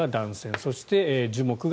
そして、樹木が